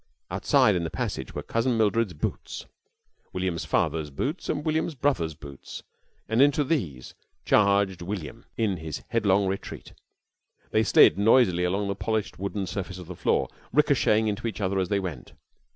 Outside in the passage were Cousin Mildred's boots, William's father's boots, and William's brother's boots, and into these charged William in his headlong retreat. They slid noisily along the polished wooden surface of the floor, ricochetting into each other as they went.